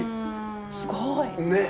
すごい。ねえ。